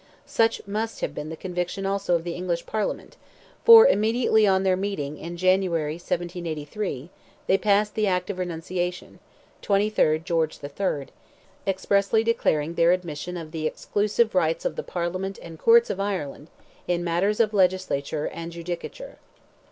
Such must have been the conviction also of the English Parliament, for, immediately on their meeting in January, 1783, they passed the Act of Renunciation (23rd George III.), expressly declaring their admission of the "exclusive rights of the Parliament and Courts of Ireland in matters of legislature and judicature."